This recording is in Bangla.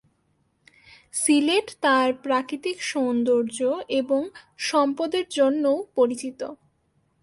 সিলেট তার প্রাকৃতিক সৌন্দর্য এবং সম্পদের জন্যও পরিচিত।